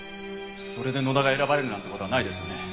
それで野田が選ばれるなんて事はないですよね？